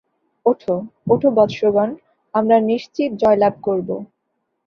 উঠ, উঠ বৎসগণ, আমরা নিশ্চিত জয়লাভ করব।